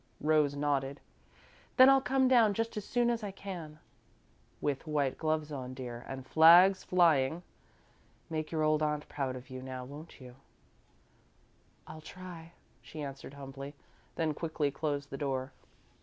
Rose nodded. "Then I'll come down just as soon as I can." "With white gloves on, dear, and flags flying. Make your old aunt proud of you now, won't you?" "I'll try," she answered, humbly, then quickly closed the door.